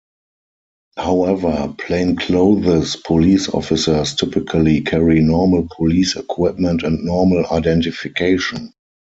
However, plainclothes police officers typically carry normal police equipment and normal identification.